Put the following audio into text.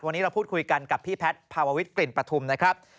วันนี้เราพูดคุยกันกับพี่แพทย์ภาววิทกลิ่นปฐุมนะครับ